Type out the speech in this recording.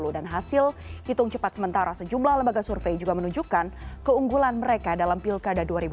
dan hasil hitung cepat sementara sejumlah lembaga survei juga menunjukkan keunggulan mereka dalam pilkada dua ribu dua puluh